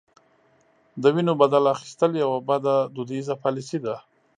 د وینو بدل اخیستل یوه بده دودیزه پالیسي ده.